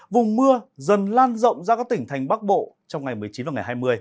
vùng mưa dần lan rộng ra các tỉnh thành bắc bộ trong ngày một mươi chín và ngày hai mươi